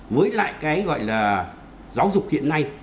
với lại cái gọi là giáo dục hiện nay